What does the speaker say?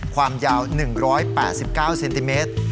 ความยาว๑๘๙เซนติเมตร